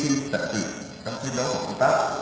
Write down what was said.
tấm duy đớn của công tác